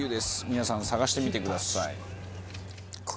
皆さん探してみてください。